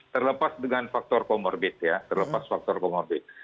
terlepas dengan faktor comorbid ya terlepas faktor comorbid